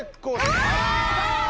あ！